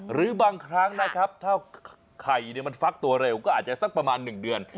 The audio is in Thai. หรือบางครั้งนะครับถ้าไข่มันฟักตัวเร็วก็อาจจะสักประมาณ๑เดือน